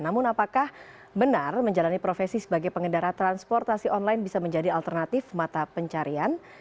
namun apakah benar menjalani profesi sebagai pengendara transportasi online bisa menjadi alternatif mata pencarian